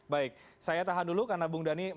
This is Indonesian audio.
baik saya tahan dulu karena bung dhani